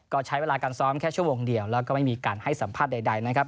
ก็ใช้เวลาการซ้อมแค่ชั่วโมงเดียวแล้วก็ไม่มีการให้สัมภาษณ์ใดนะครับ